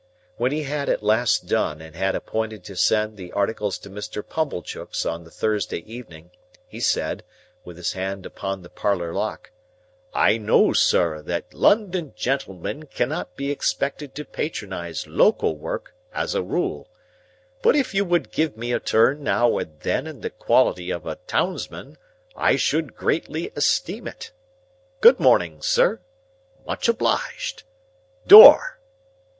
When he had at last done and had appointed to send the articles to Mr. Pumblechook's on the Thursday evening, he said, with his hand upon the parlour lock, "I know, sir, that London gentlemen cannot be expected to patronise local work, as a rule; but if you would give me a turn now and then in the quality of a townsman, I should greatly esteem it. Good morning, sir, much obliged.—Door!"